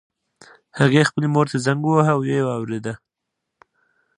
هغه خپلې مور ته زنګ وواهه او ويې واورېده.